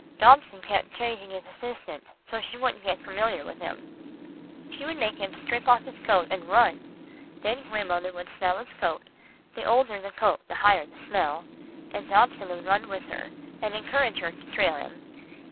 Dobson kept changing his assistant, so she wouldn't get familiar with him. He would make him strip off his coat, and run. Then grandmother would smell his coat, the older the coat the higher the smell, and Dobson would run with her, and encourage her to trail him.